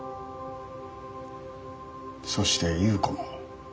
そして夕子も。